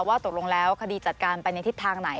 ว่าตกลงแล้วคดีจัดการไปในทิศทางไหน